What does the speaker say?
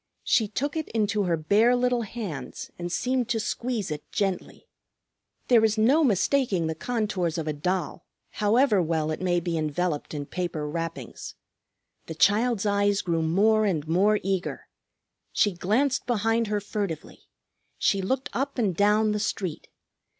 She took it into her bare little hands and seemed to squeeze it gently. There is no mistaking the contours of a doll, however well it may be enveloped in paper wrappings. The child's eyes grew more and more eager. She glanced behind her furtively; she looked up and down the street.